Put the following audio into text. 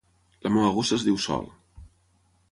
La meua gossa es diu Sol.